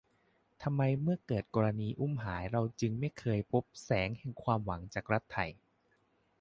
ทำไมเมื่อเกิดกรณีอุ้มหายเราจึงไม่เคยพบแสงแห่งความหวังจากรัฐไทย